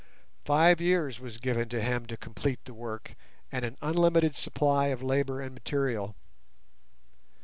Five years was given to him to complete the work, and an unlimited supply of labour and material.